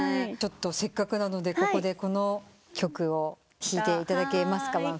ちょっとせっかくなのでここでこの曲を弾いていただけますか？